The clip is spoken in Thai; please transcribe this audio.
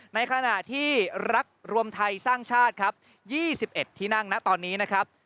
ในขณะที่รักรวมไทยสร้างชาติครับ๒๑ที่นั่งนะตอนนี้นะครับ